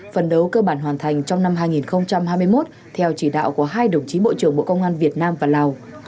phần đấu cơ bản hoàn thành trong năm hai nghìn hai mươi một theo chỉ đạo của hai đồng chí bộ trưởng bộ công an việt nam và lào